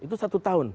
itu satu tahun